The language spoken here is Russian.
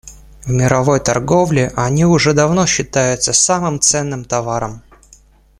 В мировой торговле они уже давно считаются самым ценным товаром.